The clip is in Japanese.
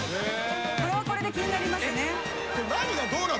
これはこれで気になりますね。